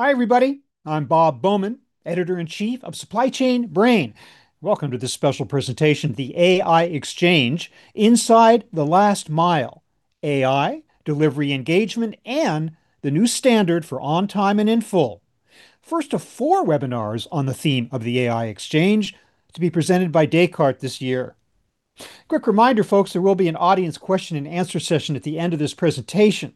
Hi, everybody. I'm Bob Bowman, Editor-in-Chief of SupplyChainBrain. Welcome to this special presentation, The AI Exchange: Inside the Last Mile, AI, Delivery Engagement, and the New Standard for On Time and In Full. First of four webinars on the theme of The AI Exchange to be presented by Descartes this year. Quick reminder, folks, there will be an audience question and answer session at the end of this presentation.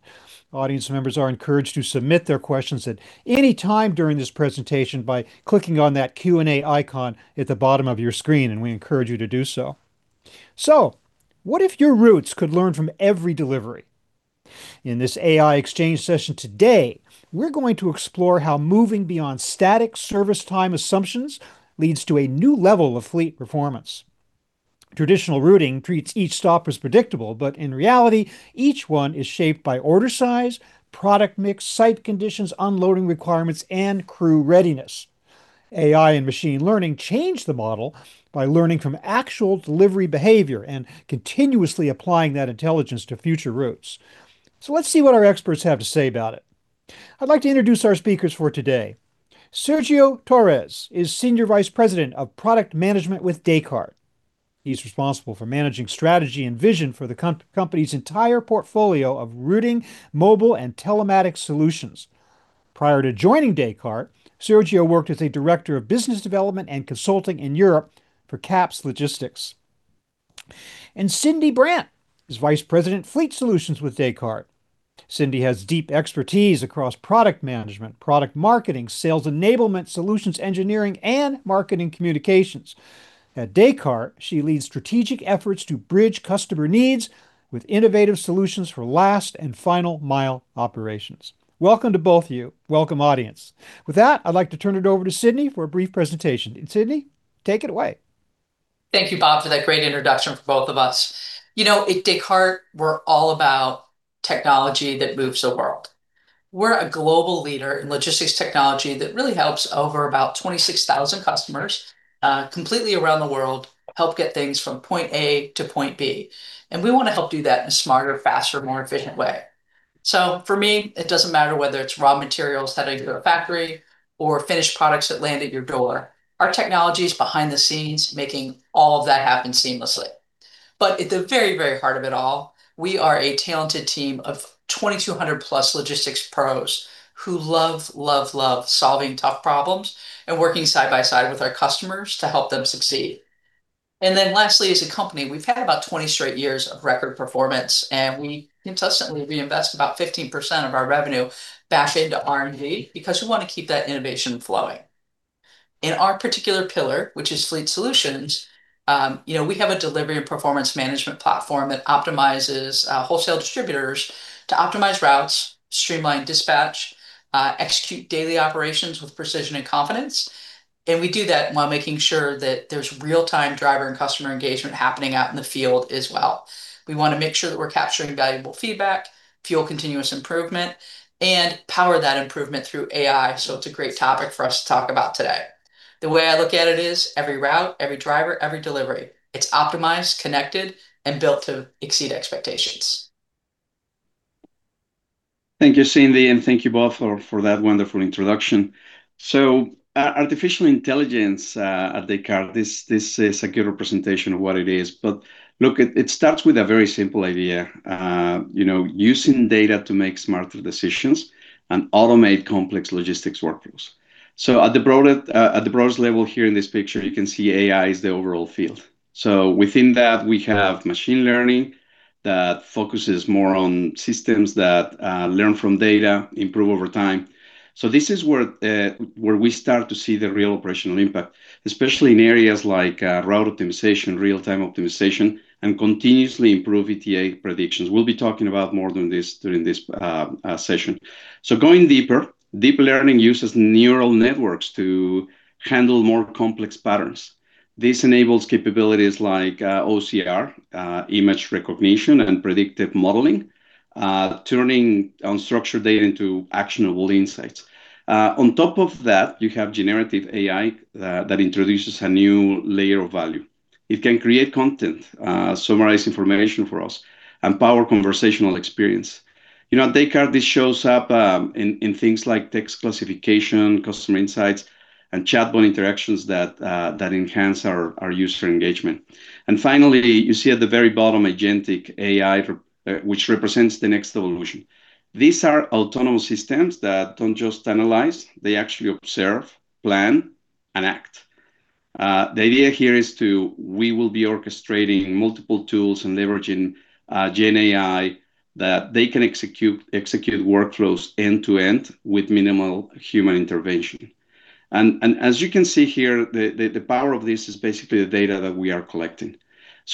Audience members are encouraged to submit their questions at any time during this presentation by clicking on that Q&A icon at the bottom of your screen. We encourage you to do so. What if your routes could learn from every delivery? In this AI Exchange session today, we're going to explore how moving beyond static service time assumptions leads to a new level of fleet performance. Traditional routing treats each stop as predictable, but in reality, each one is shaped by order size, product mix, site conditions, unloading requirements, and crew readiness. AI and machine learning change the model by learning from actual delivery behavior and continuously applying that intelligence to future routes. Let's see what our experts have to say about it. I'd like to introduce our speakers for today. Sergio Torres is Senior Vice President of Product Management with Descartes. He's responsible for managing strategy and vision for the company's entire portfolio of routing mobile and telematics solutions. Prior to joining Descartes, Sergio worked as a director of business development and consulting in Europe for CAPS Logistics. Cyndi Brandt is Vice President, Fleet Solutions with Descartes. Cyndi has deep expertise across product management, product marketing, sales enablement, solutions engineering, and marketing communications. At Descartes, she leads strategic efforts to bridge customer needs with innovative solutions for last- and final-mile operations. Welcome to both of you. Welcome, audience. With that, I'd like to turn it over to Cyndi for a brief presentation. Cyndi, take it away. Thank you, Bob, for that great introduction for both of us. You know, at Descartes, we're all about technology that moves the world. We're a global leader in logistics technology that really helps over about 26,000 customers completely around the world help get things from point A to point B. We wanna help do that in a smarter, faster, more efficient way. For me, it doesn't matter whether it's raw materials heading to a factory or finished products that land at your door. Our technology's behind the scenes making all of that happen seamlessly. At the very, very heart of it all, we are a talented team of 2,200+ logistics pros who love, love solving tough problems and working side by side with our customers to help them succeed. Lastly, as a company, we've had about 20 straight years of record performance. We consistently reinvest about 15% of our revenue back into R&D because we wanna keep that innovation flowing. In our particular pillar, which is Fleet Solutions, you know, we have a delivery and performance management platform that optimizes wholesale distributors to optimize routes, streamline dispatch, execute daily operations with precision and confidence. We do that while making sure that there's real-time driver and customer engagement happening out in the field as well. We wanna make sure that we're capturing valuable feedback, fuel continuous improvement, and power that improvement through AI. It's a great topic for us to talk about today. The way I look at it is every route, every driver, every delivery, it's optimized, connected, and built to exceed expectations. Thank you, Cyndi, and thank you both for that wonderful introduction. Artificial intelligence at Descartes, this is a good representation of what it is. Look, it starts with a very simple idea, you know, using data to make smarter decisions and automate complex logistics workflows. At the broadest level here in this picture, you can see AI is the overall field. Within that, we have machine learning that focuses more on systems that learn from data, improve over time. This is where we start to see the real operational impact, especially in areas like route optimization, real-time optimization, and continuously improve ETA predictions. We'll be talking about more during this session. Going deeper, deep learning uses neural networks to handle more complex patterns. This enables capabilities like OCR, image recognition, and predictive modeling, turning unstructured data into actionable insights. On top of that, you have generative AI that introduces a new layer of value. It can create content, summarize information for us, and power conversational experience. You know, at Descartes, this shows up in things like text classification, customer insights, and chatbot interactions that enhance our user engagement. Finally, you see at the very bottom agentic AI which represents the next evolution. These are autonomous systems that don't just analyze. They actually observe, plan, and act. The idea here is to we will be orchestrating multiple tools and leveraging GenAI that they can execute workflows end to end with minimal human intervention. As you can see here, the power of this is basically the data that we are collecting.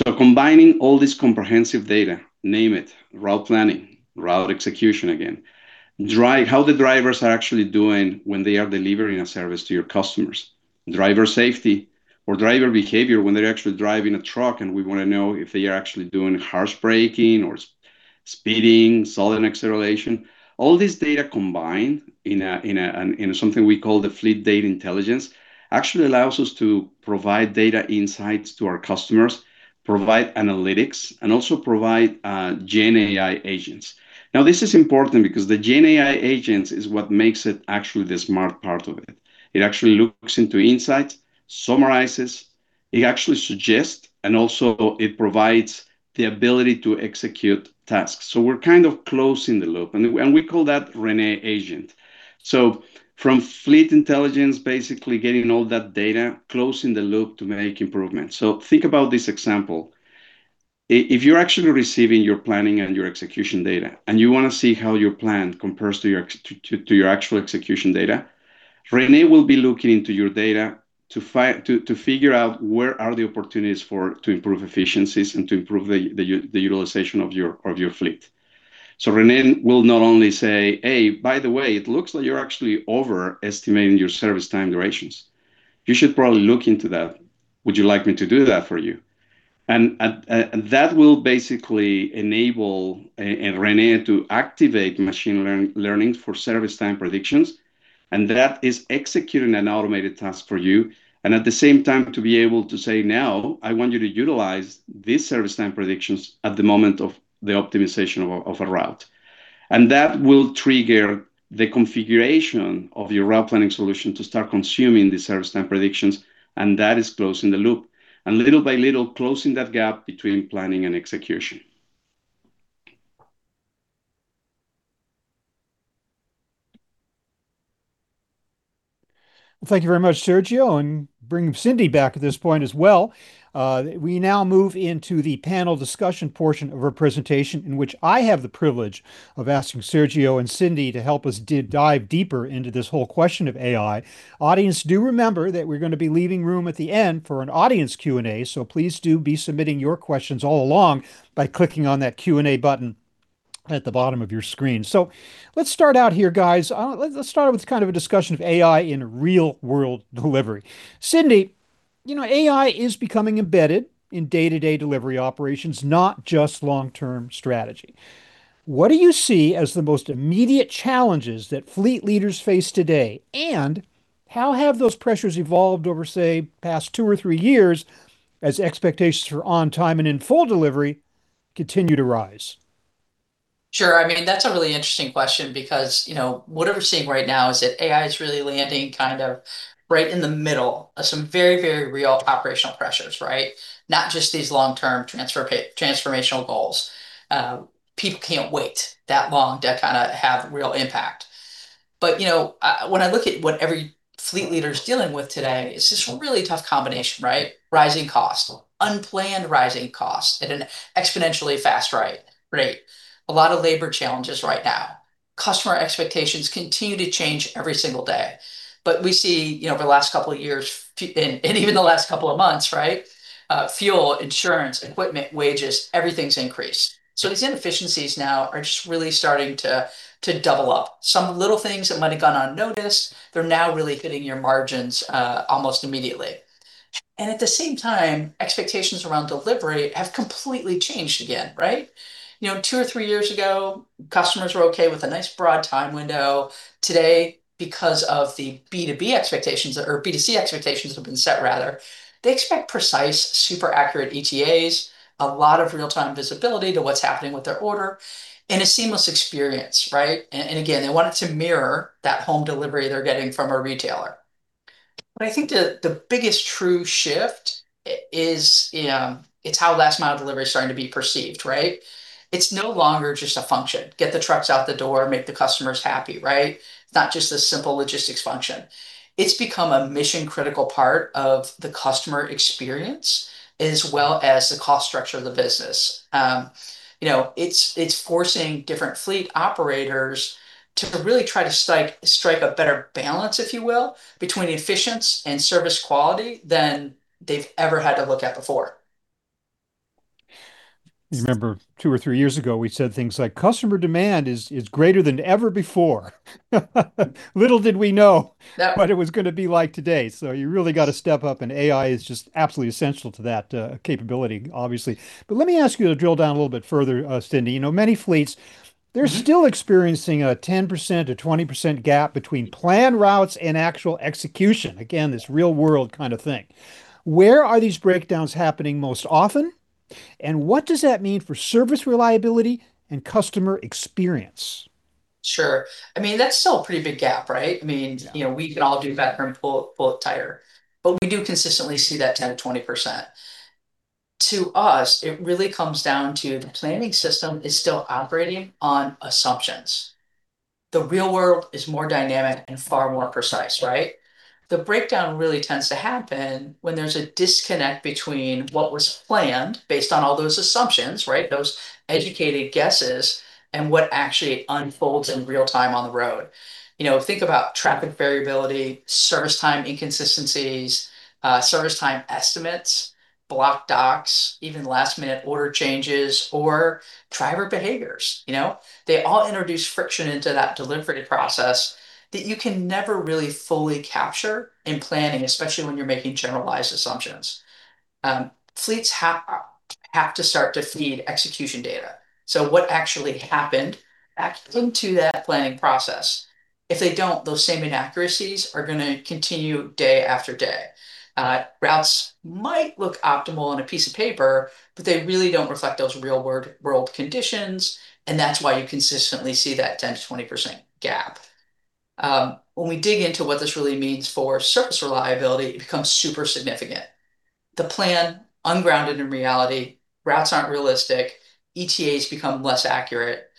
Combining all this comprehensive data, name it, route planning, route execution again, how the drivers are actually doing when they are delivering a service to your customers, driver safety or driver behavior when they are actually driving a truck and we wanna know if they are actually doing harsh braking or speeding, sudden acceleration. All this data combined in something we call the Fleet Data Intelligence actually allows us to provide data insights to our customers, provide analytics, and also provide GenAI agents. This is important because the GenAI agents is what makes it actually the smart part of it. It actually looks into insights, summarizes. It actually suggests and also it provides the ability to execute tasks. We're kind of closing the loop, and we call that René. From Fleet Data Intelligence, basically getting all that data, closing the loop to make improvements. Think about this example. If you're actually receiving your planning and your execution data, and you wanna see how your plan compares to your actual execution data, René will be looking into your data to figure out where are the opportunities for, to improve efficiencies and to improve the utilization of your fleet. René will not only say, "By the way, it looks like you're actually overestimating your service time durations. You should probably look into that. Would you like me to do that for you?" That will basically enable and René to activate machine learning for service time predictions, and that is executing an automated task for you. At the same time, to be able to say, "Now, I want you to utilize these service time predictions at the moment of the optimization of a route." That will trigger the configuration of your route planning solution to start consuming the service time predictions, and that is closing the loop. Little by little, closing that gap between planning and execution. Thank you very much, Sergio, and bring Cyndi Brandt back at this point as well. We now move into the panel discussion portion of our presentation in which I have the privilege of asking Sergio and Cyndi Brandt to help us dive deeper into this whole question of AI. Audience, do remember that we're gonna be leaving room at the end for an audience Q&A, so please do be submitting your questions all along by clicking on that Q&A button at the bottom of your screen. Let's start out here, guys. Let's start with kind of a discussion of AI in real-world delivery. Cyndi Brandt, you know, AI is becoming embedded in day-to-day delivery operations, not just long-term strategy. What do you see as the most immediate challenges that fleet leaders face today, and how have those pressures evolved over, say, past two or three years as expectations for on-time and in-full delivery continue to rise? Sure. I mean, that's a really interesting question because, you know, what we're seeing right now is that AI is really landing kind of right in the middle of some very, very real operational pressures, right? Not just these long-term transformational goals. People can't wait that long to kinda have real impact. You know, I, when I look at what every fleet leader is dealing with today, it's just a really tough combination, right? Rising costs, unplanned rising costs at an exponentially fast rate. A lot of labor challenges right now. Customer expectations continue to change every single day. We see, you know, over the last couple of years and even the last couple of months, right, fuel, insurance, equipment, wages, everything's increased. These inefficiencies now are just really starting to double up. Some little things that might have gone unnoticed, they're now really hitting your margins almost immediately. At the same time, expectations around delivery have completely changed again, right? You know, two or three years ago, customers were okay with a nice broad time window. Today, because of the B2B expectations or B2C expectations that have been set rather, they expect precise, super accurate ETAs, a lot of real-time visibility to what's happening with their order, and a seamless experience, right? Again, they want it to mirror that home delivery they're getting from a retailer. I think the biggest true shift is, you know, it's how last mile delivery is starting to be perceived, right? It's no longer just a function. Get the trucks out the door, make the customers happy, right? Not just a simple logistics function. It's become a mission critical part of the customer experience as well as the cost structure of the business. You know, it's forcing different fleet operators to really try to strike a better balance, if you will, between efficiency and service quality than they've ever had to look at before. You remember two or three years ago, we said things like, "Customer demand is greater than ever before." Little did we know. Yeah... what it was gonna be like today. You really gotta step up, and AI is just absolutely essential to that, capability, obviously. Let me ask you to drill down a little bit further, Cyndi. You know, many fleets, they're still experiencing a 10%-20% gap between planned routes and actual execution. Again, this real world kinda thing. Where are these breakdowns happening most often, and what does that mean for service reliability and customer experience? Sure. I mean, that's still a pretty big gap, right? Yeah... you know, we could all do better and pull it tighter. We do consistently see that 10%-20%. To us, it really comes down to the planning system is still operating on assumptions. The real world is more dynamic and far more precise, right? The breakdown really tends to happen when there's a disconnect between what was planned based on all those assumptions, right, those educated guesses, and what actually unfolds in real time on the road. You know, think about traffic variability, service time inconsistencies, service time estimates, blocked docks, even last-minute order changes or driver behaviors, you know? They all introduce friction into that delivery process that you can never really fully capture in planning, especially when you're making generalized assumptions. Fleets have to start to feed execution data. What actually happened, actually to that planning process. If they don't, those same inaccuracies are gonna continue day after day. Routes might look optimal on a piece of paper, but they really don't reflect those real word, world conditions, and that's why you consistently see that 10%-20% gap. When we dig into what this really means for service reliability, it becomes super significant. The plan, ungrounded in reality, routes aren't realistic, ETAs become less accurate,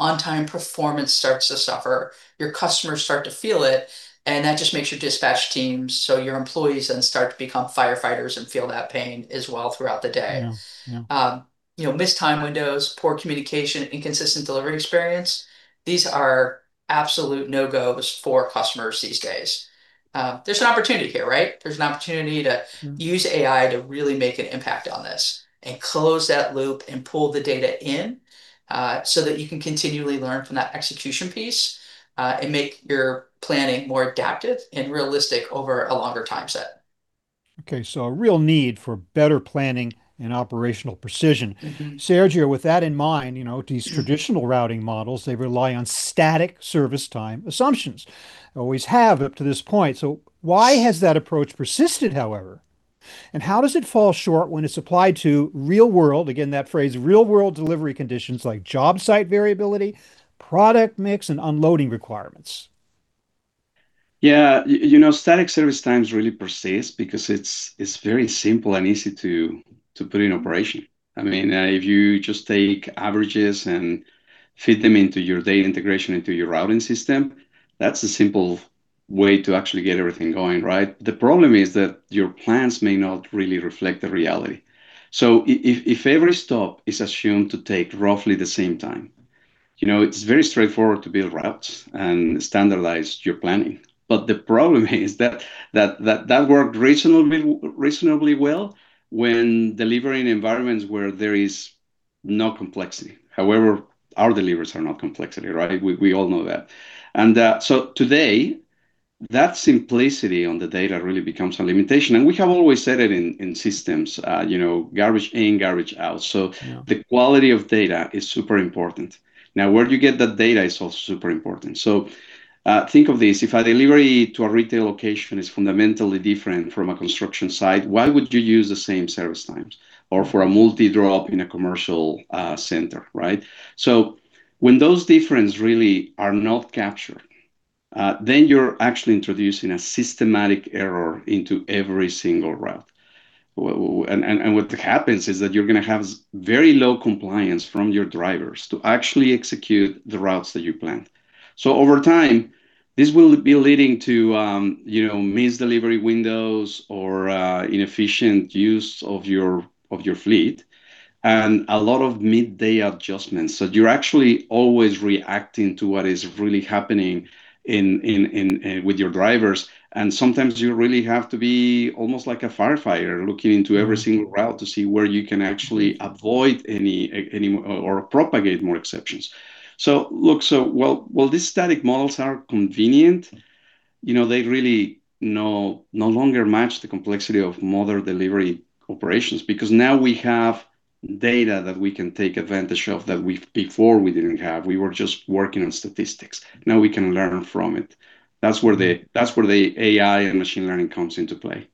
on time performance starts to suffer, your customers start to feel it, and that just makes your dispatch teams, so your employees then start to become firefighters and feel that pain as well throughout the day. Yeah, yeah. You know, missed time windows, poor communication, inconsistent delivery experience. These are absolute no-gos for customers these days. There's an opportunity here, right? There's an opportunity. Mm-hmm... use AI to really make an impact on this, and close that loop and pull the data in, so that you can continually learn from that execution piece, and make your planning more adaptive and realistic over a longer time set. Okay, a real need for better planning and operational precision. Mm-hmm. Sergio, with that in mind, you know, these traditional routing models, they rely on static service time assumptions. Always have up to this point. Why has that approach persisted, however? How does it fall short when it's applied to real world, again, that phrase real-world delivery conditions like job site variability, product mix, and unloading requirements? Yeah. You know, static service times really persist because it's very simple and easy to put in operation. I mean, if you just take averages and fit them into your data integration into your routing system, that's a simple way to actually get everything going, right? The problem is that your plans may not really reflect the reality. If every stop is assumed to take roughly the same time, you know, it's very straightforward to build routes and standardize your planning. The problem is that that worked reasonably well when delivering environments where there is no complexity. However, our deliveries are not complexity, right? We all know that. Today, that simplicity on the data really becomes a limitation, and we have always said it in systems, you know, garbage in, garbage out. Yeah. The quality of data is super important. Where you get that data is also super important. Think of this. If a delivery to a retail location is fundamentally different from a construction site, why would you use the same service times? Or for a multi-drop in a commercial center, right? When those difference really are not captured, then you're actually introducing a systematic error into every single route. And what happens is that you're gonna have very low compliance from your drivers to actually execute the routes that you planned. Over time, this will be leading to, you know, missed delivery windows or inefficient use of your fleet, and a lot of midday adjustments. You're actually always reacting to what is really happening in with your drivers, and sometimes you really have to be almost like a firefighter looking into every single route to see where you can actually avoid any or propagate more exceptions. While these static models are convenient, you know, they really no longer match the complexity of modern delivery operations because now we have data that we can take advantage of that we, before we didn't have. We were just working on statistics. Now we can learn from it. That's where the AI and machine learning comes into play.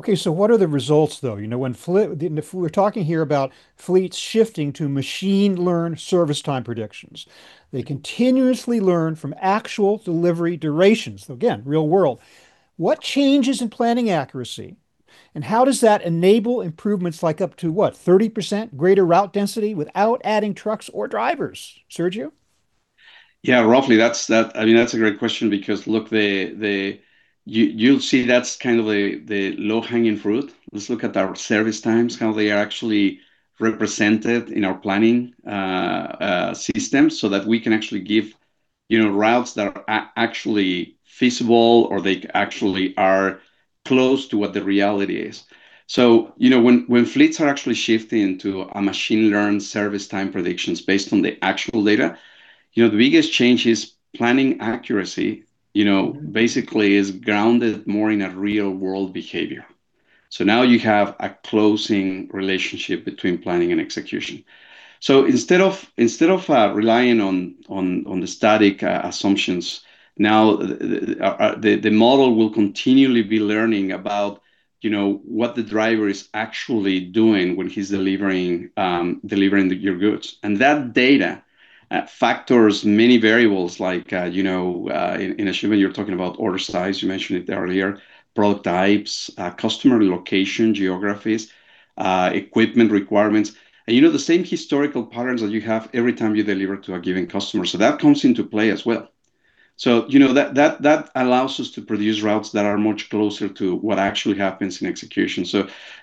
Okay, what are the results though? You know, we're talking here about fleets shifting to machine learned service time predictions. They continuously learn from actual delivery durations. Again, real world. What changes in planning accuracy, and how does that enable improvements like up to, what, 30% greater route density without adding trucks or drivers, Sergio? Yeah, roughly. I mean, that's a great question because, look, you'll see that's kind of the low hanging fruit. Let's look at our service times, how they are actually represented in our planning systems so that we can actually give, you know, routes that are actually feasible or they actually are close to what the reality is. You know, when fleets are actually shifting to a machine learned service time predictions based on the actual data, you know, the biggest change is planning accuracy, you know, basically is grounded more in a real world behavior. Now you have a closing relationship between planning and execution. Instead of relying on the static assumptions, now the model will continually be learning about, you know, what the driver is actually doing when he's delivering your goods. That data factors many variables like, you know, in assuming you're talking about order size, you mentioned it earlier, product types, customer location, geographies, equipment requirements. You know, the same historical patterns that you have every time you deliver to a given customer, that comes into play as well. You know, that allows us to produce routes that are much closer to what actually happens in execution.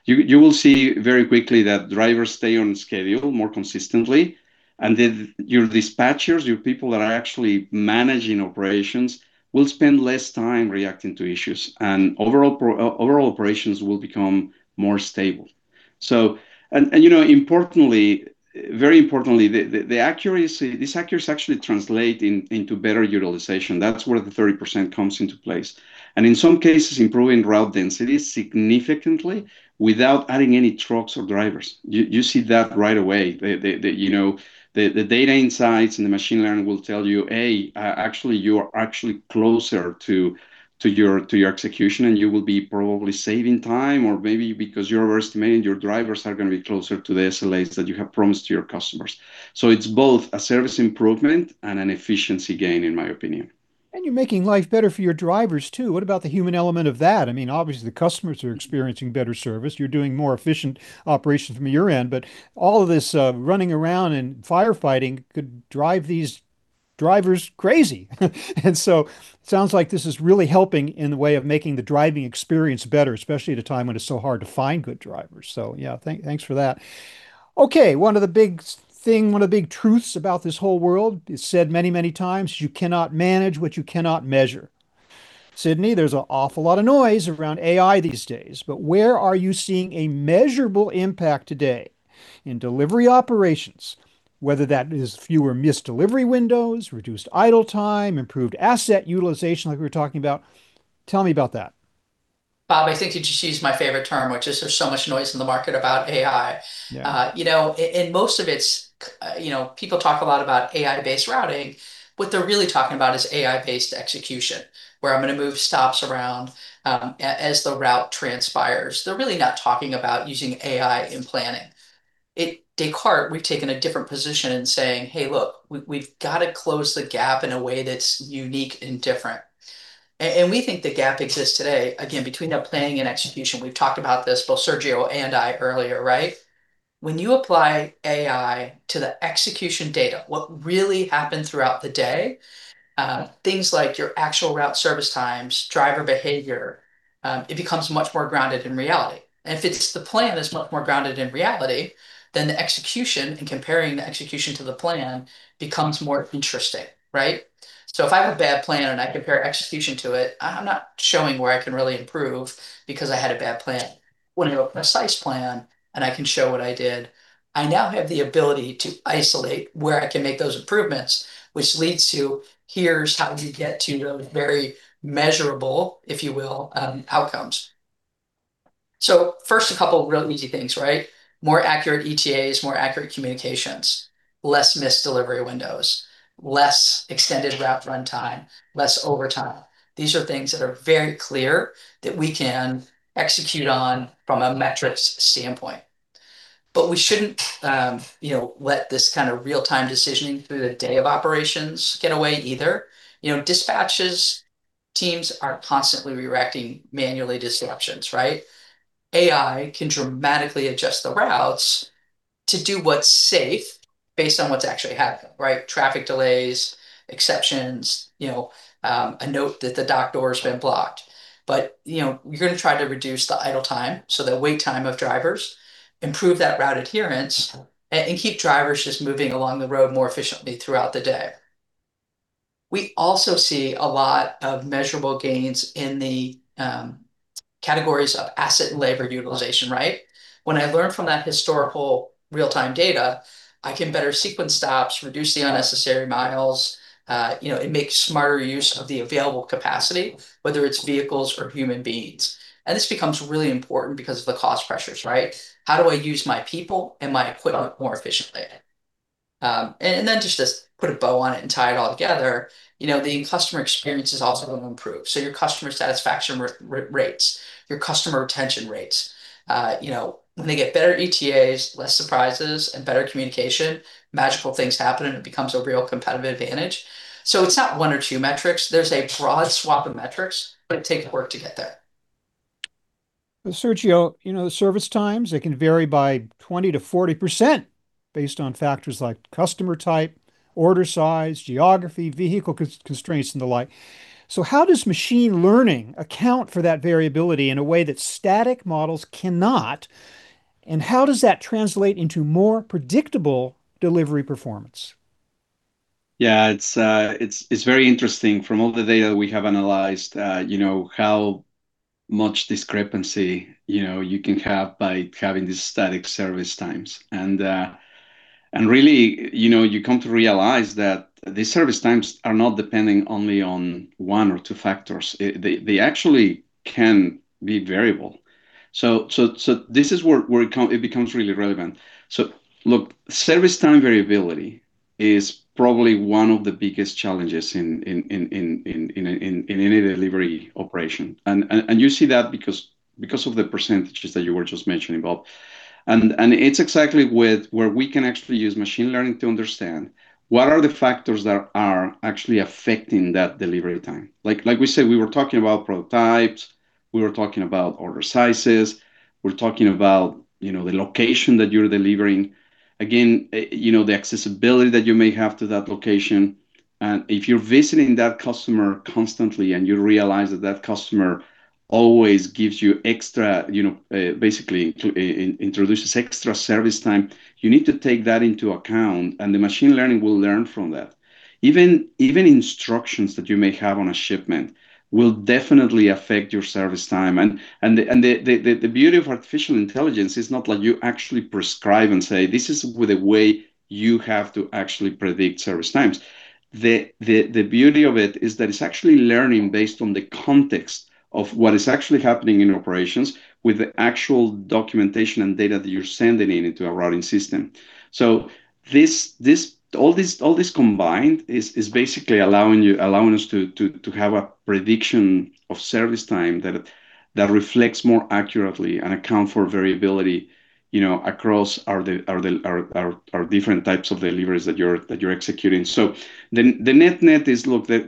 You will see very quickly that drivers stay on schedule more consistently, your dispatchers, your people that are actually managing operations will spend less time reacting to issues, and overall operations will become more stable. You know, importantly, very importantly, the accuracy, this accuracy actually translate into better utilization. That's where the 30% comes into place. In some cases, improving route density significantly without adding any trucks or drivers. You see that right away. The, you know, the data insights and the machine learning will tell you, "actually you are actually closer to your execution, and you will be probably saving time, or maybe because you're estimating your drivers are gonna be closer to the SLAs that you have promised to your customers." It's both a service improvement and an efficiency gain, in my opinion. You're making life better for your drivers too. What about the human element of that? I mean, obviously the customers are experiencing better service. You're doing more efficient operations from your end, but all of this running around and firefighting could drive these drivers crazy. Sounds like this is really helping in the way of making the driving experience better, especially at a time when it's so hard to find good drivers. Yeah, thanks for that. Okay. One of the big truths about this whole world is said many, many times, you cannot manage what you cannot measure. Cyndi, there's an awful lot of noise around AI these days, but where are you seeing a measurable impact today in delivery operations, whether that is fewer missed delivery windows, reduced idle time, improved asset utilization like we were talking about? Tell me about that? Bob, I think you just used my favorite term, which is there's so much noise in the market about AI. Yeah. You know, most of it's, you know, people talk a lot about AI-based routing. What they're really talking about is AI-based execution, where I'm gonna move stops around, as the route transpires. They're really not talking about using AI in planning. At Descartes, we've taken a different position in saying, "Hey, look, we've gotta close the gap in a way that's unique and different." We think the gap exists today, again, between the planning and execution. We've talked about this, both Sergio and I earlier, right? When you apply AI to the execution data, what really happened throughout the day, things like your actual route service times, driver behavior, it becomes much more grounded in reality. If it's the plan that's much more grounded in reality, then the execution and comparing the execution to the plan becomes more interesting, right? If I have a bad plan and I compare execution to it, I'm not showing where I can really improve because I had a bad plan. When I have a precise plan and I can show what I did, I now have the ability to isolate where I can make those improvements, which leads to here's how you get to those very measurable, if you will, outcomes. First a couple of real easy things, right? More accurate ETAs, more accurate communications, less missed delivery windows, less extended route runtime, less overtime. These are things that are very clear that we can execute on from a metrics standpoint. We shouldn't, you know, let this kind of real-time decisioning through the day of operations get away either. You know, dispatch teams are constantly redirecting manually disruptions, right? AI can dramatically adjust the routes to do what's safe based on what's actually happening, right? Traffic delays, exceptions, you know, a note that the dock door has been blocked. You know, you're gonna try to reduce the idle time, so the wait time of drivers, improve that route adherence and keep drivers just moving along the road more efficiently throughout the day. We also see a lot of measurable gains in the categories of asset and labor utilization, right? When I learn from that historical real-time data, I can better sequence stops, reduce the unnecessary miles, you know, and make smarter use of the available capacity, whether it's vehicles or human beings. This becomes really important because of the cost pressures, right? How do I use my people and my equipment more efficiently? Just to put a bow on it and tie it all together, you know, the customer experience is also going to improve. Your customer satisfaction rates, your customer retention rates. You know, when they get better ETAs, less surprises, and better communication, magical things happen, and it becomes a real competitive advantage. It's not one or two metrics. There's a broad swath of metrics, but it takes work to get there. Well, Sergio, you know, service times, they can vary by 20%-40% based on factors like customer type, order size, geography, vehicle constraints, and the like. How does machine learning account for that variability in a way that static models cannot? How does that translate into more predictable delivery performance? Yeah. It's very interesting from all the data we have analyzed, you know, how much discrepancy, you know, you can have by having these static service times. Really, you know, you come to realize that the service times are not depending only on one or two factors. They actually can be variable. This is where it becomes really relevant. Look, service time variability is probably one of the biggest challenges in any delivery operation. You see that because of the percentages that you were just mentioning, Bob. It's exactly with where we can actually use machine learning to understand what are the factors that are actually affecting that delivery time. Like we said, we were talking about product types, we were talking about order sizes, we're talking about, you know, the location that you're delivering. Again, you know, the accessibility that you may have to that location. If you're visiting that customer constantly and you realize that that customer always gives you extra, you know, basically introduces extra service time, you need to take that into account, and the machine learning will learn from that. Even instructions that you may have on a shipment will definitely affect your service time. The beauty of artificial intelligence is not like you actually prescribe and say, "This is the way you have to actually predict service times." The beauty of it is that it's actually learning based on the context of what is actually happening in operations with the actual documentation and data that you're sending in into a routing system. All this combined is basically allowing us to have a prediction of service time that reflects more accurately and account for variability, you know, across our different types of deliveries that you're executing. The net-net is, look, a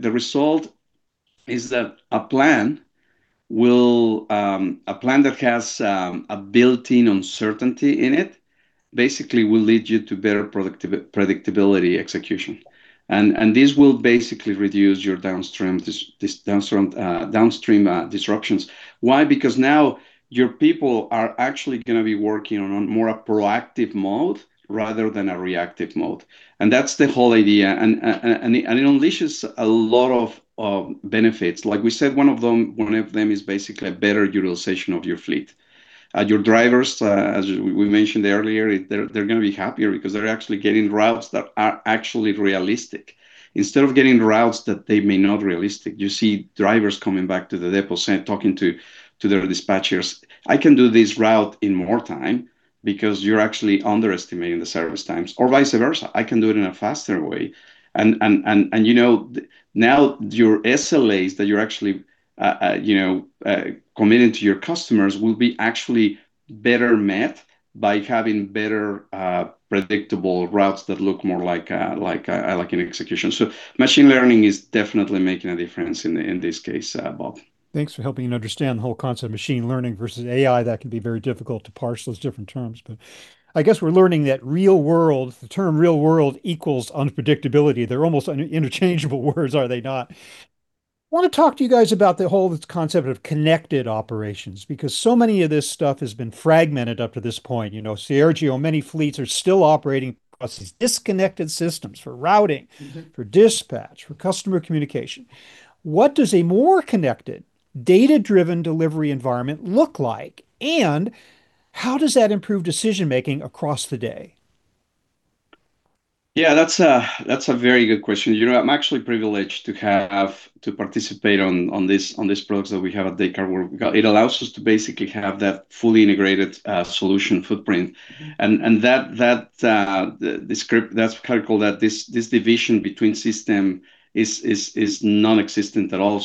plan that has a built-in uncertainty in it basically will lead you to better productivity, predictability, execution. This will basically reduce your downstream disruptions. Why? Because now your people are actually gonna be working on more a proactive mode rather than a reactive mode, and that's the whole idea. It unleashes a lot of benefits. Like we said, one of them is basically better utilization of your fleet. Your drivers, as we mentioned earlier, they're gonna be happier because they're actually getting routes that are actually realistic instead of getting routes that they may not realistic. You see drivers coming back to the depot saying, talking to their dispatchers, "I can do this route in more time because you're actually underestimating the service times." Vice versa, "I can do it in a faster way." You know, now your SLAs that you're actually, you know, committing to your customers will be actually better met by having better, predictable routes that look more like an execution. Machine learning is definitely making a difference in this case, Bob. Thanks for helping me understand the whole concept of machine learning versus AI. That can be very difficult to parse those different terms. I guess we're learning that real world, the term real world equals unpredictability. They're almost uninterchangeable words, are they not? I want to talk to you guys about the whole, this concept of connected operations, because so many of this stuff has been fragmented up to this point. You know, Sergio, many fleets are still operating across these disconnected systems for routing. Mm-hmm... for dispatch, for customer communication. What does a more connected data-driven delivery environment look like, and how does that improve decision-making across the day? Yeah, that's a, that's a very good question. You know, I'm actually privileged to have, to participate on this, on this products that we have at Descartes. It allows us to basically have that fully integrated solution footprint. That the script, that's kind of called that this division between system is non-existent at all.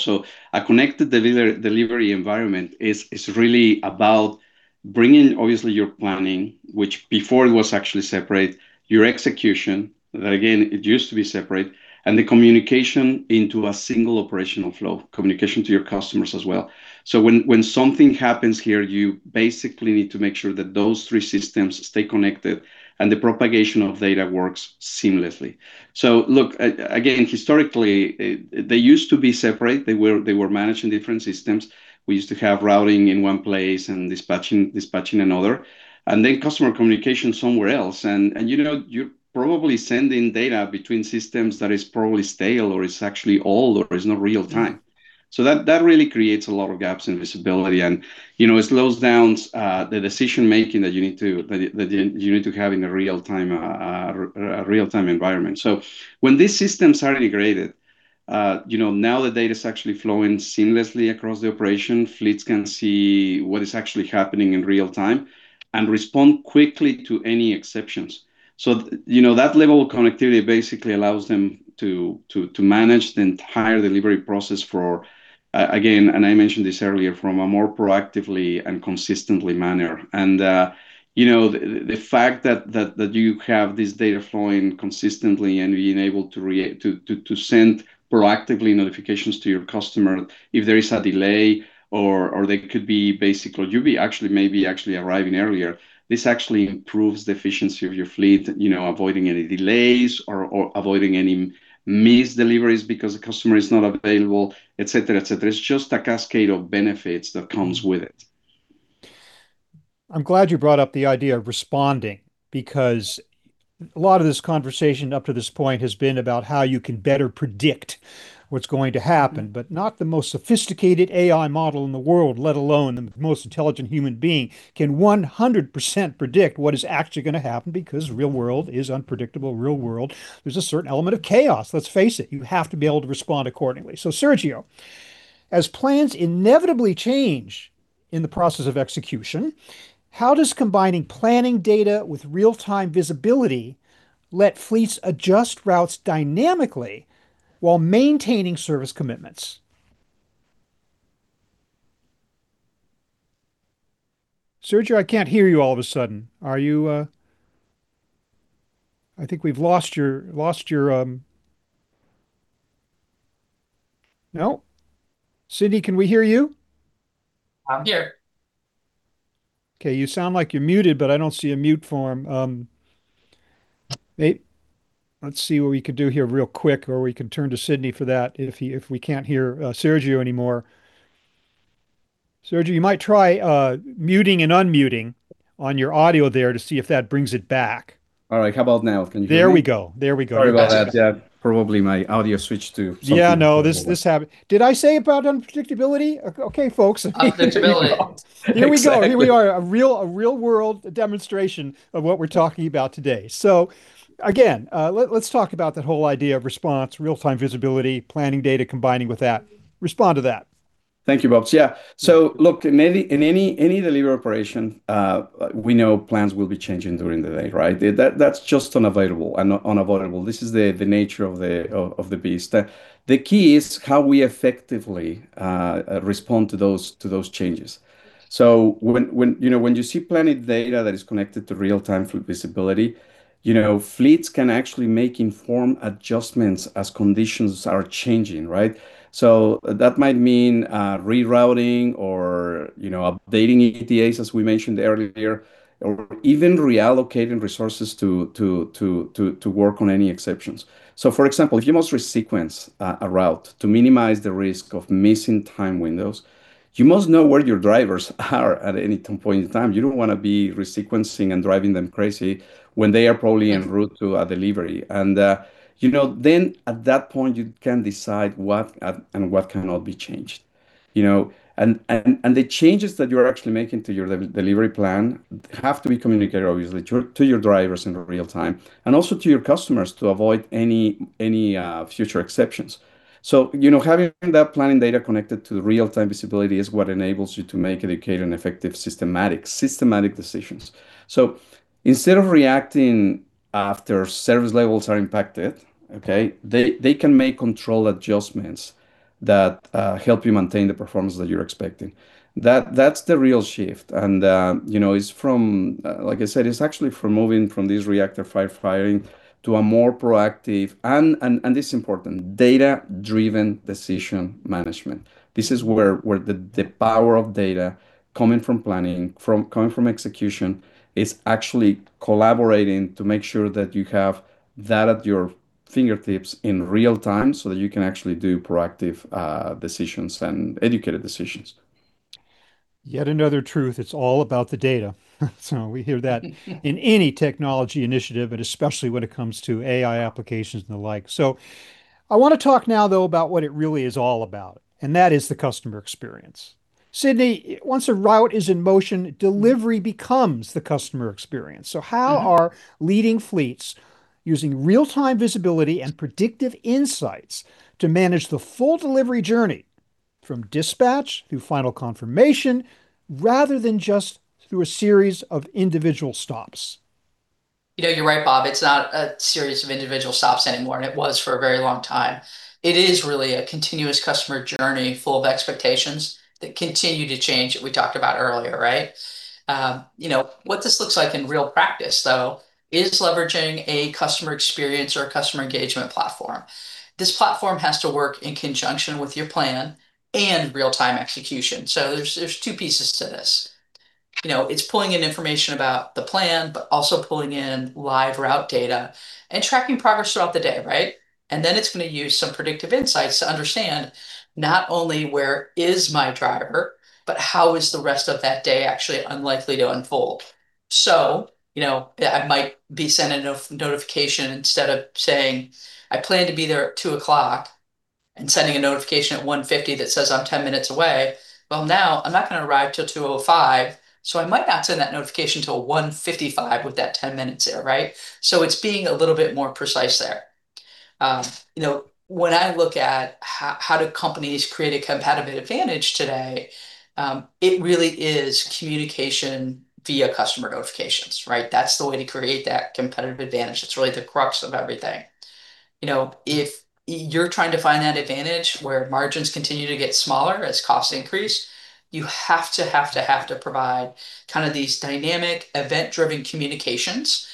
A connected delivery environment is really about bringing obviously your planning, which before it was actually separate, your execution, that again, it used to be separate, and the communication into a single operational flow, communication to your customers as well. When something happens here, you basically need to make sure that those three systems stay connected and the propagation of data works seamlessly. Look, again, historically, they used to be separate. They were managed in different systems. We used to have routing in one place and dispatching in another, and then customer communication somewhere else. You know, you're probably sending data between systems that is probably stale or is actually old or is not real time. That really creates a lot of gaps in visibility and, you know, it slows down the decision-making that you need to, that you need to have in a real time, a real time environment. When these systems are integrated, you know, now the data's actually flowing seamlessly across the operation. Fleets can see what is actually happening in real time and respond quickly to any exceptions. You know, that level of connectivity basically allows them to manage the entire delivery process for, again, and I mentioned this earlier, from a more proactively and consistently manner. You know, the fact that you have this data flowing consistently and being able to send proactively notifications to your customer if there is a delay or they could be basically you'll be actually maybe actually arriving earlier. This actually improves the efficiency of your fleet, you know, avoiding any delays or avoiding any missed deliveries because the customer is not available, et cetera, et cetera. It's just a cascade of benefits that comes with it. I'm glad you brought up the idea of responding because a lot of this conversation up to this point has been about how you can better predict what's going to happen. Mm. Not the most sophisticated AI model in the world, let alone the most intelligent human being, can 100% predict what is actually going to happen because real world is unpredictable. Real world, there's a certain element of chaos, let's face it. You have to be able to respond accordingly. Sergio, as plans inevitably change in the process of execution, how does combining planning data with real-time visibility let fleets adjust routes dynamically while maintaining service commitments? Sergio, I can't hear you all of a sudden. Are you? I think we've lost your. No? Cyndi, can we hear you? I'm here. Okay, you sound like you're muted, but I don't see a mute form. Let's see what we can do here real quick, or we can turn to Cyndi for that if he, if we can't hear Sergio anymore. Sergio, you might try muting and unmuting on your audio there to see if that brings it back. All right, how about now? Can you hear me? There we go. There we go. Sorry about that. That's better. Yeah, probably my audio switched to something. Yeah, no. before. This happen. Did I say about unpredictability? Okay, folks. Unpredictability. Exactly. Here we go. Here we are, a real-world demonstration of what we're talking about today. Again, let's talk about the whole idea of response, real-time visibility, planning data, combining with that. Respond to that. Thank you, Bob. Yeah. Look, in any delivery operation, we know plans will be changing during the day, right? That's just unavoidable. This is the nature of the beast. The key is how we effectively respond to those changes. When, you know, when you see planning data that is connected to real-time full visibility, you know, fleets can actually make informed adjustments as conditions are changing, right? That might mean rerouting or, you know, updating ETAs as we mentioned earlier, or even reallocating resources to work on any exceptions. For example, if you must resequence a route to minimize the risk of missing time windows, you must know where your drivers are at any point in time. You don't want to be resequencing and driving them crazy when they are probably en route to a delivery. You know, then at that point you can decide what and what cannot be changed. You know, and the changes that you're actually making to your delivery plan have to be communicated, obviously, to your drivers in real time, and also to your customers to avoid any future exceptions. You know, having that planning data connected to the real-time visibility is what enables you to make educated and effective, systematic decisions. Instead of reacting after service levels are impacted, okay, they can make control adjustments that help you maintain the performance that you're expecting. That's the real shift. You know, it's from, like I said, it's actually from moving from this reactive firefighting to a more proactive and this is important, data-driven decision management. This is where the power of data coming from planning, coming from execution, is actually collaborating to make sure that you have that at your fingertips in real time so that you can actually do proactive decisions and educated decisions. Yet another truth, it's all about the data. We hear that in any technology initiative, and especially when it comes to AI applications and the like. I wanna talk now though about what it really is all about, and that is the customer experience. Cyndi, once a route is in motion, delivery becomes the customer experience. Mm-hmm. How are leading fleets using real-time visibility and predictive insights to manage the full delivery journey from dispatch through final confirmation, rather than just through a series of individual stops? You know, you're right, Bob. It's not a series of individual stops anymore, and it was for a very long time. It is really a continuous customer journey full of expectations that continue to change, that we talked about earlier, right? You know, what this looks like in real practice though is leveraging a customer experience or a customer engagement platform. This platform has to work in conjunction with your plan and real-time execution. There's two pieces to this. You know, it's pulling in information about the plan, but also pulling in live route data and tracking progress throughout the day, right? Then it's gonna use some predictive insights to understand not only where is my driver, but how is the rest of that day actually unlikely to unfold. You know, I might be sent a notification instead of saying, "I plan to be there at 2:00," and sending a notification at 1:50 that says, "I'm 10 minutes away." Now I'm not gonna arrive till 2:05, so I might not send that notification till 1:55 with that 10 minutes there, right? It's being a little bit more precise there. You know, when I look at how do companies create a competitive advantage today, it really is communication via customer notifications, right? That's the way to create that competitive advantage. That's really the crux of everything. You know, if you're trying to find that advantage where margins continue to get smaller as costs increase, you have to provide kind of these dynamic, event-driven communications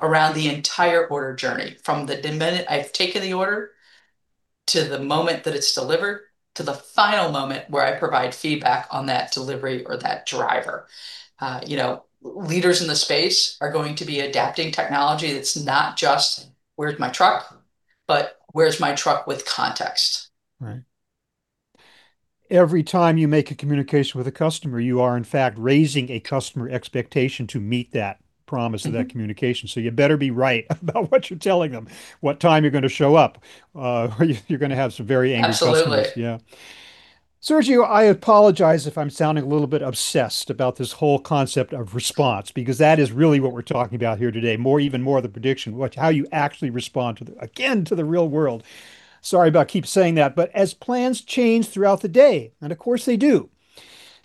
around the entire order journey. From the minute I've taken the order to the moment that it's delivered to the final moment where I provide feedback on that delivery or that driver. You know, leaders in the space are going to be adapting technology that's not just, where's my truck, but where's my truck with context. Right. Every time you make a communication with a customer, you are in fact raising a customer expectation to meet that promise. Mm-hmm... of that communication, so you better be right about what you're telling them, what time you're gonna show up, or you're gonna have some very angry customers. Absolutely. Sergio, I apologize if I'm sounding a little bit obsessed about this whole concept of response, because that is really what we're talking about here today. More, even more than prediction, how you actually respond to the, again, to the real world. Sorry about keep saying that. As plans change throughout the day, and of course they do,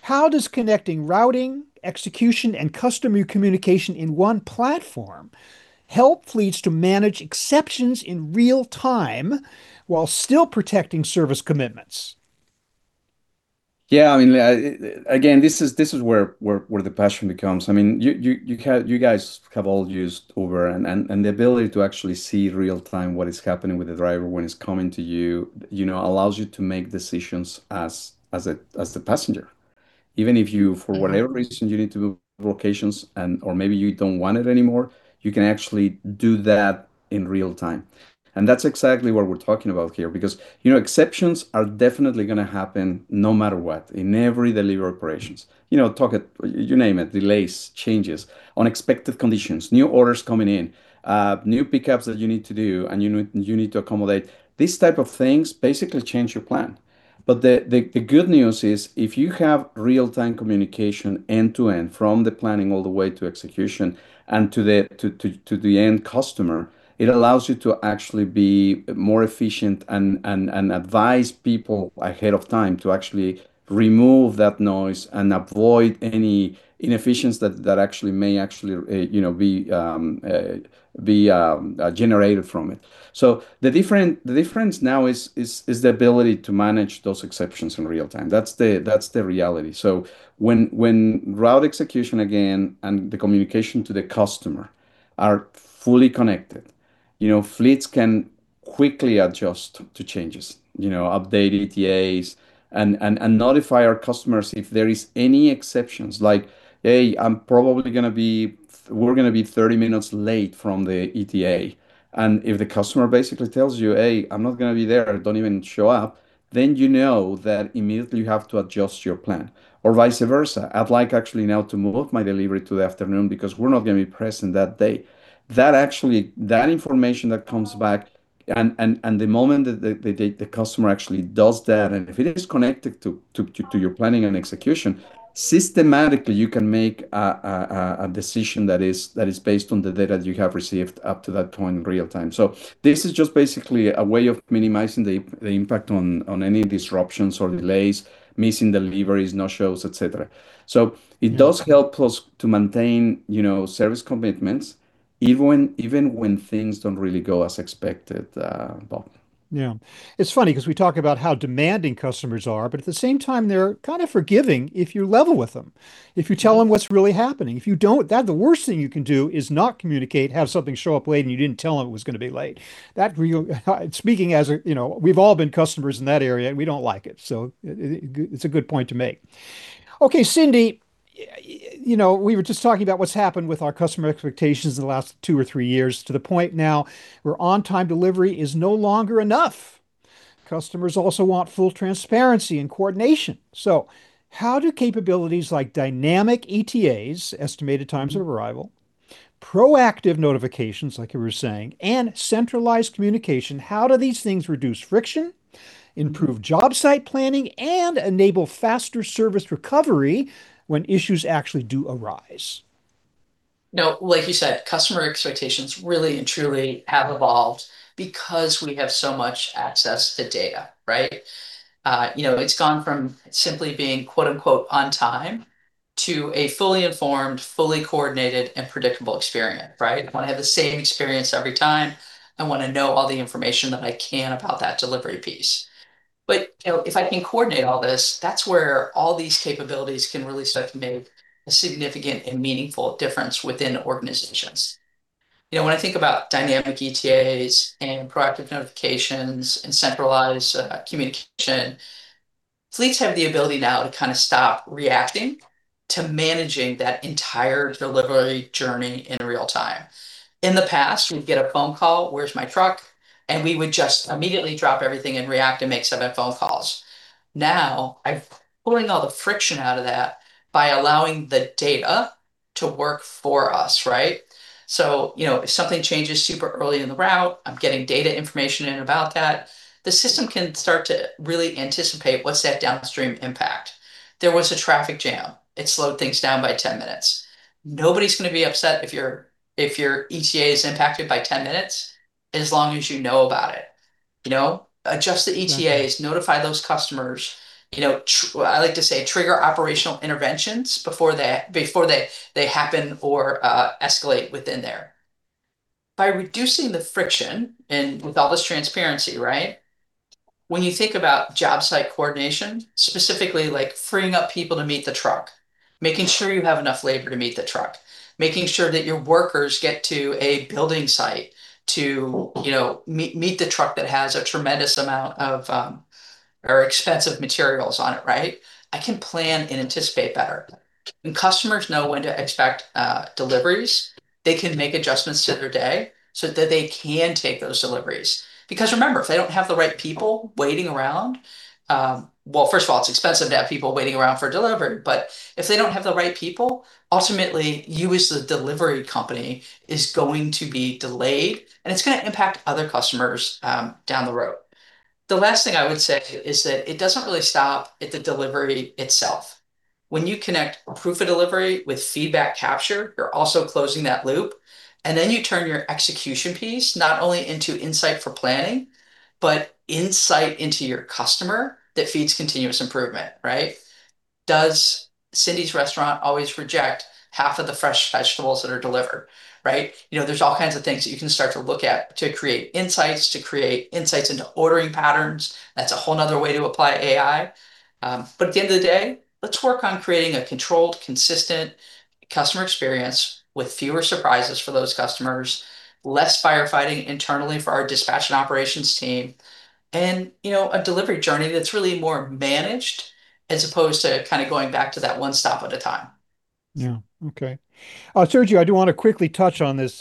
how does connecting routing, execution, and customer communication in one platform help fleets to manage exceptions in real time while still protecting service commitments? Yeah, I mean, again, this is where the passion becomes. I mean, you guys have all used Uber, and the ability to actually see real time what is happening with the driver when it's coming to you know, allows you to make decisions as a, as the passenger. Even if you, for whatever reason you need to move locations, or maybe you don't want it anymore, you can actually do that in real time. That's exactly what we're talking about here, because, you know, exceptions are definitely gonna happen no matter what, in every delivery operations. You know, talk, you name it, delays, changes, unexpected conditions, new orders coming in, new pickups that you need to do and you need to accommodate. These type of things basically change your plan. The good news is if you have real-time communication end to end from the planning all the way to execution and to the end customer, it allows you to actually be more efficient and advise people ahead of time to actually remove that noise and avoid any inefficiencies that actually may actually, you know, be, generated from it. The difference now is the ability to manage those exceptions in real time. That's the reality. When route execution again and the communication to the customer are fully connected. You know, fleets can quickly adjust to changes. You know, update ETAs and notify our customers if there is any exceptions. Like, "Hey, I'm probably gonna be. We're gonna be 30 minutes late from the ETA." If the customer basically tells you, "Hey, I'm not gonna be there, don't even show up," then you know that immediately you have to adjust your plan. Vice versa, "I'd like actually now to move up my delivery to the afternoon because we're not gonna be present that day." That actually, that information that comes back, and the moment that the customer actually does that, and if it is connected to your planning and execution, systematically you can make a decision that is based on the data that you have received up to that point in real time. This is just basically a way of minimizing the impact on any disruptions or delays, missing deliveries, no-shows, et cetera. It does help us to maintain, you know, service commitments even when things don't really go as expected, Bob. Yeah. It's funny 'cause we talk about how demanding customers are, but at the same time they're kind of forgiving if you're level with them. If you tell them what's really happening. If you don't, that, the worst thing you can do is not communicate, have something show up late and you didn't tell them it was gonna be late. Speaking as a, you know, we've all been customers in that area, and we don't like it, so it, it's a good point to make. Okay, Cyndi Brandt, you know, we were just talking about what's happened with our customer expectations in the last two or three years to the point now where on-time delivery is no longer enough. Customers also want full transparency and coordination. How do capabilities like dynamic ETAs, estimated times of arrival, proactive notifications, like you were saying, and centralized communication, how do these things reduce friction, improve job site planning, and enable faster service recovery when issues actually do arise? No, like you said, customer expectations really and truly have evolved because we have so much access to data, right? You know, it's gone from simply being, quote, unquote, on time to a fully informed, fully coordinated, and predictable experience, right? I wanna have the same experience every time. I wanna know all the information that I can about that delivery piece. You know, if I can coordinate all this, that's where all these capabilities can really start to make a significant and meaningful difference within organizations. You know, when I think about dynamic ETAs and proactive notifications and centralized communication, fleets have the ability now to kinda stop reacting to managing that entire delivery journey in real time. In the past, we'd get a phone call, "Where's my truck?" We would just immediately drop everything and react and make seven phone calls. I'm pulling all the friction out of that by allowing the data to work for us, right? You know, if something changes super early in the route, I'm getting data information in about that. The system can start to really anticipate what's that downstream impact. There was a traffic jam. It slowed things down by 10 minutes. Nobody's gonna be upset if your ETA is impacted by 10 minutes as long as you know about it. You know? Adjust the ETAs, notify those customers. You know, I like to say trigger operational interventions before they happen or escalate within there. By reducing the friction and with all this transparency, right? When you think about job site coordination, specifically, like freeing up people to meet the truck, making sure you have enough labor to meet the truck, making sure that your workers get to a building site to, you know, meet the truck that has a tremendous amount of, or expensive materials on it, right? I can plan and anticipate better. When customers know when to expect deliveries, they can make adjustments to their day so that they can take those deliveries. Remember, if they don't have the right people waiting around, well, first of all, it's expensive to have people waiting around for a delivery, but if they don't have the right people, ultimately you as the delivery company is going to be delayed, and it's going to impact other customers down the road. The last thing I would say is that it doesn't really stop at the delivery itself. When you connect proof of delivery with feedback capture, you're also closing that loop, and then you turn your execution piece not only into insight for planning, but insight into your customer that feeds continuous improvement, right? Does Cyndi Brandt's restaurant always reject half of the fresh vegetables that are delivered, right? You know, there's all kinds of things that you can start to look at to create insights, to create insights into ordering patterns. That's a whole nother way to apply AI. At the end of the day, let's work on creating a controlled, consistent customer experience with fewer surprises for those customers, less firefighting internally for our dispatch and operations team, and, you know, a delivery journey that's really more managed as opposed to kinda going back to that one stop at a time. Yeah. Okay. Sergio, I do wanna quickly touch on this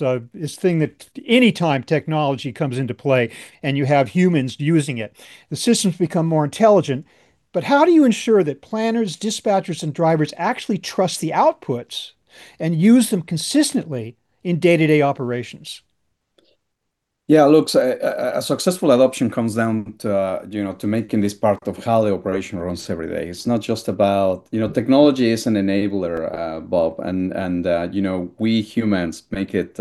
thing that any time technology comes into play and you have humans using it, the systems become more intelligent. How do you ensure that planners, dispatchers, and drivers actually trust the outputs and use them consistently in day-to-day operations? Yeah, look, a successful adoption comes down to, you know, to making this part of how the operation runs every day. It's not just about. You know, technology is an enabler, Bob. You know, we humans make it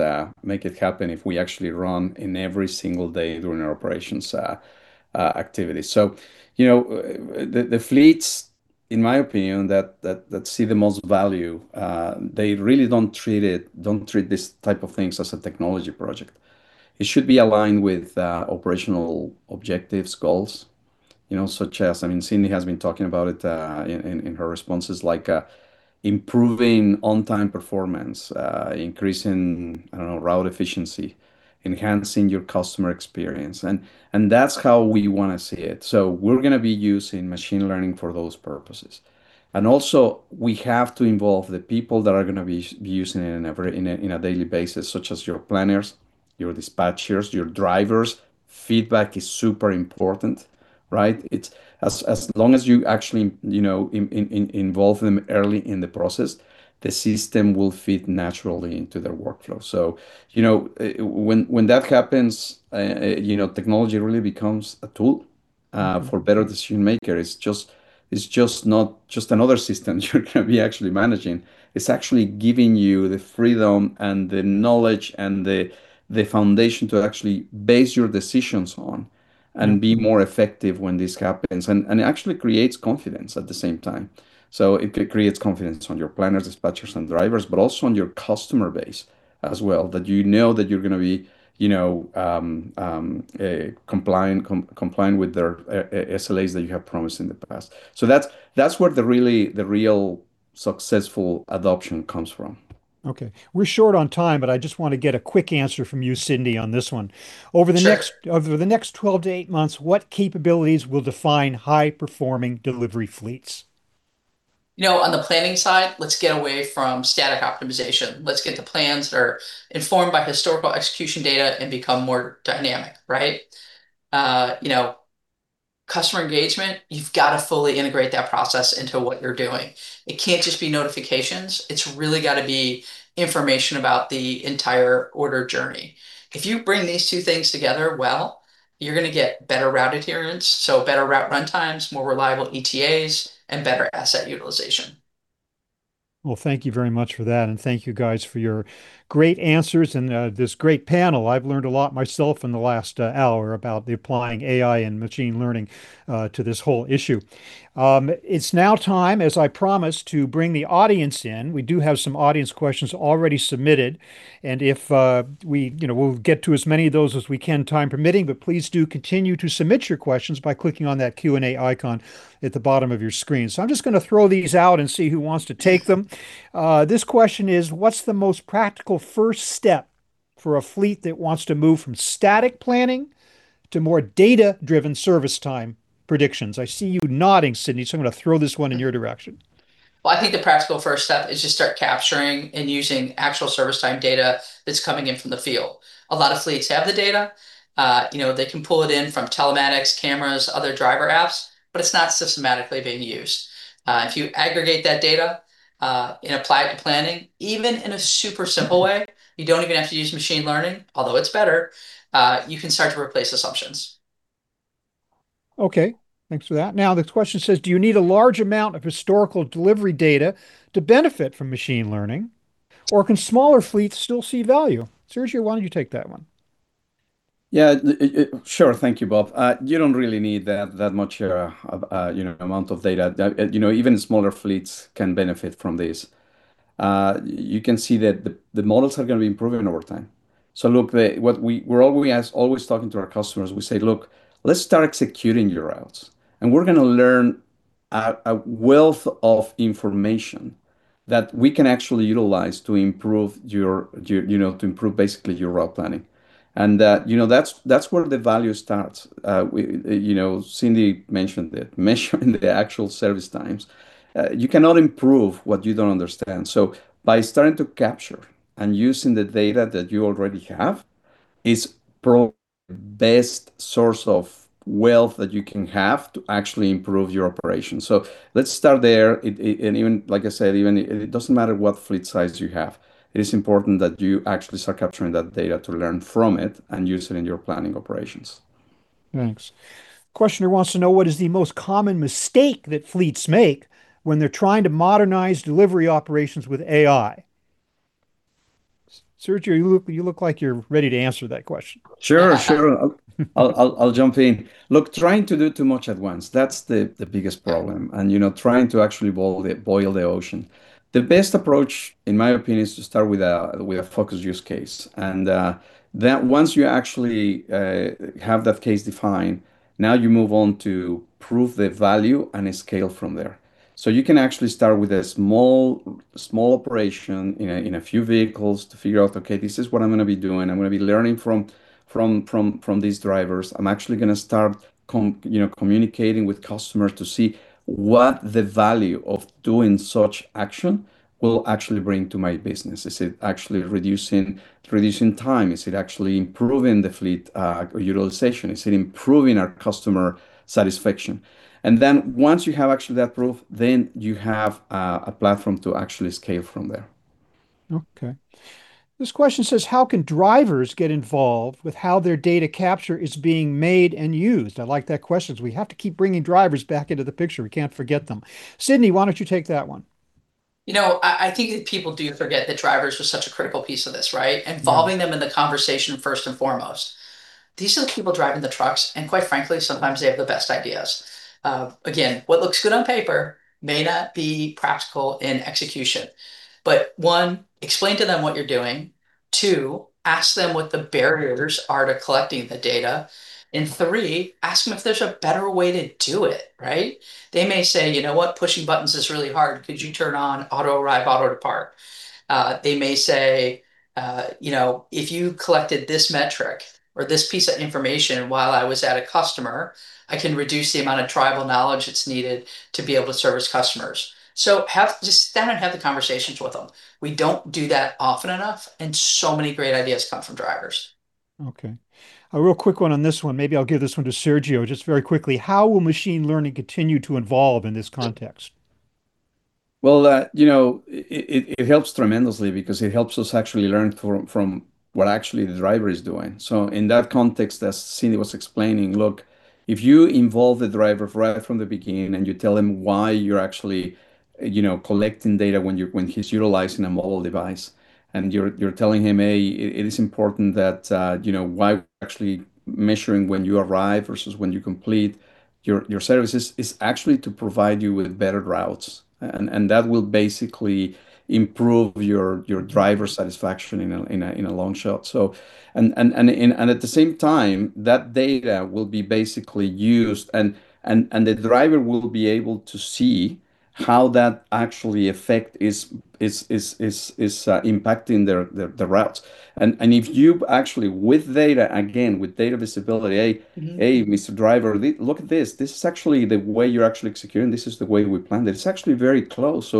happen if we actually run in every single day during our operations activity. You know, the fleets, in my opinion, that see the most value, they really don't treat this type of things as a technology project. It should be aligned with operational objectives, goals. You know, such as, I mean, Cyndi Brandt has been talking about it in her responses, like, improving on-time performance, increasing, I don't know, route efficiency, enhancing your customer experience, and that's how we wanna see it. We're going to be using machine learning for those purposes. Also, we have to involve the people that are going to be using it in every, in a, in a daily basis, such as your planners, your dispatchers, your drivers. Feedback is super important, right? It's, as long as you actually, you know, involve them early in the process, the system will fit naturally into their workflow. You know, when that happens, you know, technology really becomes a tool for better decision maker. It's just not just another system you're going to be actually managing. It's actually giving you the freedom and the knowledge and the foundation to actually base your decisions on. Mm Be more effective when this happens. It actually creates confidence at the same time. It creates confidence on your planners, dispatchers, and drivers, but also on your customer base as well, that you know that you're gonna be, you know, compliant with their SLAs that you have promised in the past. That's where the real successful adoption comes from. Okay. We're short on time, but I just wanna get a quick answer from you, Cyndi, on this one. Sure. Over the next 12-18 months, what capabilities will define high performing delivery fleets? You know, on the planning side, let's get away from static optimization. Let's get the plans that are informed by historical execution data and become more dynamic, right. You know, customer engagement, you've gotta fully integrate that process into what you're doing. It can't just be notifications. It's really gotta be information about the entire order journey. If you bring these two things together well, you're gonna get better route adherence, so better route run times, more reliable ETAs, and better asset utilization. Well, thank you very much for that, and thank you guys for your great answers and this great panel. I've learned a lot myself in the last hour about the applying AI and machine learning to this whole issue. It's now time, as I promised, to bring the audience in. We do have some audience questions already submitted, if we, you know, we'll get to as many of those as we can, time permitting, but please do continue to submit your questions by clicking on that Q&A icon at the bottom of your screen. I'm just gonna throw these out and see who wants to take them. This question is, what's the most practical first step for a fleet that wants to move from static planning to more data-driven service time predictions? I see you nodding, Cyndi, so I'm gonna throw this one in your direction. Well, I think the practical first step is just start capturing and using actual service time data that's coming in from the field. A lot of fleets have the data. You know, they can pull it in from telematics, cameras, other driver apps, but it's not systematically being used. If you aggregate that data and apply it to planning, even in a super simple way, you don't even have to use machine learning, although it's better, you can start to replace assumptions. Okay. Thanks for that. Now this question says, do you need a large amount of historical delivery data to benefit from machine learning, or can smaller fleets still see value? Sergio, why don't you take that one? Sure. Thank you, Bob. You don't really need that much, you know, amount of data. That, you know, even smaller fleets can benefit from this. You can see that the models are gonna be improving over time. Look, what we're always talking to our customers. We say, "Look, let's start executing your routes, and we're gonna learn a wealth of information that we can actually utilize to improve your, you know, to improve basically your route planning." That's where the value starts. We, you know, Cyndi mentioned it, measuring the actual service times. You cannot improve what you don't understand. By starting to capture and using the data that you already have is probably the best source of wealth that you can have to actually improve your operation. Let's start there. It, and even, like I said, even it doesn't matter what fleet size you have. It is important that you actually start capturing that data to learn from it and use it in your planning operations. Thanks. Questioner wants to know what is the most common mistake that fleets make when they're trying to modernize delivery operations with AI. Sergio, you look like you're ready to answer that question. Sure. Sure. I'll jump in. Look, trying to do too much at once. That's the biggest problem, and, you know, trying to actually boil the ocean. The best approach, in my opinion, is to start with a focused use case. Then once you actually have that case defined, now you move on to prove the value and then scale from there. You can actually start with a small operation in a few vehicles to figure out, okay, this is what I'm gonna be doing. I'm gonna be learning from these drivers. I'm actually gonna start, you know, communicating with customers to see what the value of doing such action will actually bring to my business. Is it actually reducing time? Is it actually improving the fleet utilization? Is it improving our customer satisfaction? Once you have actually that proof, then you have a platform to actually scale from there. Okay. This question says, how can drivers get involved with how their data capture is being made and used? I like that question, 'cause we have to keep bringing drivers back into the picture. We can't forget them. Cyndi, why don't you take that one? You know, I think that people do forget that drivers are such a critical piece of this, right? Mm. Involving them in the conversation first and foremost. These are the people driving the trucks, and quite frankly, sometimes they have the best ideas. Again, what looks good on paper may not be practical in execution. One, explain to them what you're doing. Two, ask them what the barriers are to collecting the data. Three, ask them if there's a better way to do it, right? They may say, "You know what? Pushing buttons is really hard. Could you turn on auto-arrive, auto-depart?" They may say, you know, "If you collected this metric or this piece of information while I was at a customer, I can reduce the amount of tribal knowledge that's needed to be able to service customers." Have, just sit down and have the conversations with them. We don't do that often enough, and so many great ideas come from drivers. Okay. A real quick one on this one. Maybe I'll give this one to Sergio, just very quickly. How will machine learning continue to evolve in this context? You know, it helps tremendously because it helps us actually learn from what actually the driver is doing. In that context, as Cyndi was explaining, look, if you involve the driver right from the beginning and you tell him why you're actually, you know, collecting data when he's utilizing a mobile device, and you're telling him, "A, it is important that, you know, why we're actually measuring when you arrive versus when you complete your services is actually to provide you with better routes. That will basically improve your driver satisfaction in a long shot. At the same time, that data will be basically used and the driver will be able to see how that actually effect is impacting their the routes. If you actually, with data, again, with data visibility. Mm-hmm Hey, Mr. Driver, look at this. This is actually the way you're actually securing. This is the way we planned it. It's actually very close.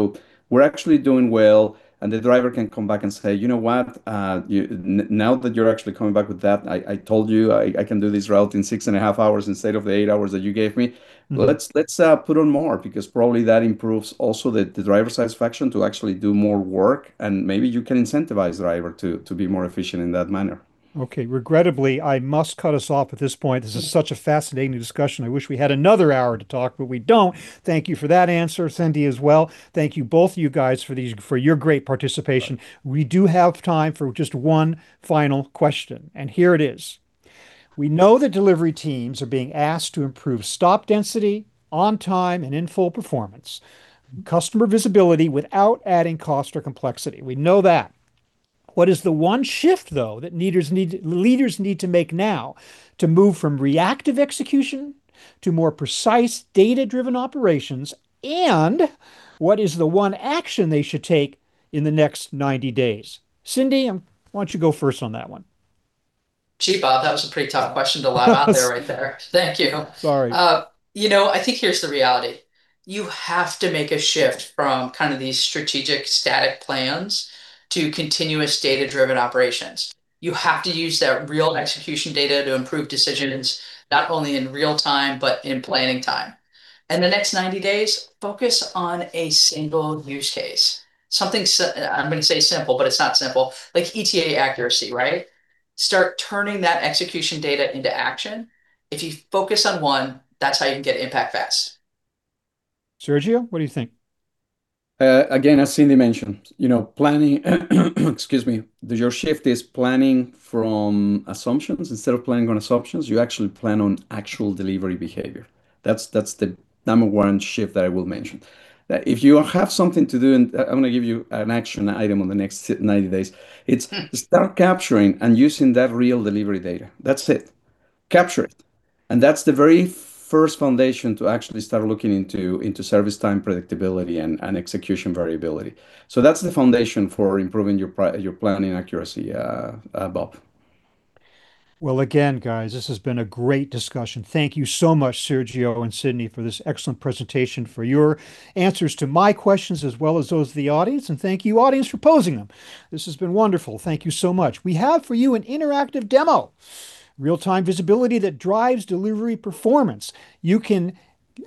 We're actually doing well." The driver can come back and say, "You know what? Now that you're actually coming back with that, I told you I can do this route in 6.5 hours instead of the 8 hours that you gave me. Mm-hmm. Let's put on more because probably that improves also the driver satisfaction to actually do more work. Maybe you can incentivize driver to be more efficient in that manner. Okay. Regrettably, I must cut us off at this point. This is such a fascinating discussion. I wish we had another hour to talk, but we don't. Thank you for that answer, Cyndi, as well. Thank you both of you guys for these, for your great participation. Right. We do have time for just one final question, and here it is. We know that delivery teams are being asked to improve stop density, on time, and in full performance, customer visibility without adding cost or complexity. We know that. What is the one shift though that leaders need to make now to move from reactive execution to more precise data-driven operations, and what is the one action they should take in the next 90 days? Cyndi, why don't you go first on that one. Gee, Bob, that was a pretty tough question to land on there right there. Thank you. Sorry. You know, I think here's the reality. You have to make a shift from kind of these strategic static plans to continuous data-driven operations. You have to use that real execution data to improve decisions not only in real time, but in planning time. In the next 90 days, focus on a single use case. Something I'm gonna say simple, but it's not simple. Like ETA accuracy, right? Start turning that execution data into action. If you focus on one, that's how you can get impact fast. Sergio, what do you think? Again, as Cyndi mentioned, you know, planning, excuse me. Your shift is planning from assumptions. Instead of planning on assumptions, you actually plan on actual delivery behavior. That's the number one shift that I will mention. That if you have something to do, I'm gonna give you an action item on the next 90 days. It's start capturing and using that real delivery data. That's it. Capture it. That's the very first foundation to actually start looking into service time predictability and execution variability. That's the foundation for improving your planning accuracy, Bob. Again, guys, this has been a great discussion. Thank you so much, Sergio and Cyndi, for this excellent presentation, for your answers to my questions as well as those of the audience, and thank you, audience, for posing them. This has been wonderful. Thank you so much. We have for you an interactive demo, real-time visibility that drives delivery performance. You can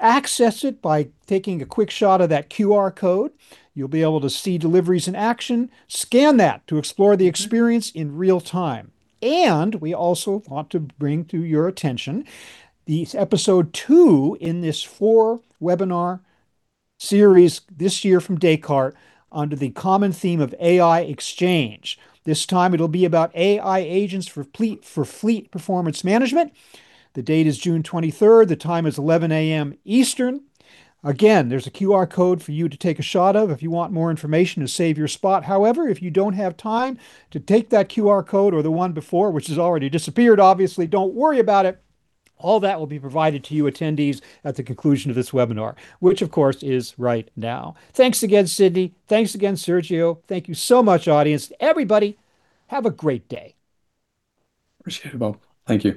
access it by taking a quick shot of that QR code. You'll be able to see deliveries in action. Scan that to explore the experience in real time. We also want to bring to your attention this episode two in this four webinar series this year from Descartes under the common theme of AI Exchange. This time it'll be about AI agents for fleet performance management. The date is June 23rd. The time is 11:00 A.M. Eastern. Again, there's a QR code for you to take a shot of if you want more information to save your spot. However, if you don't have time to take that QR code or the one before, which has already disappeared, obviously, don't worry about it. All that will be provided to you attendees at the conclusion of this webinar, which of course is right now. Thanks again, Cyndi. Thanks again, Sergio. Thank you so much, audience. Everybody, have a great day. Appreciate it, Bob. Thank you.